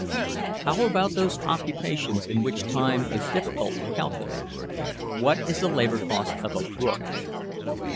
"How about those occupations in which time is difficult to calculate? What is the labor cost of a book?"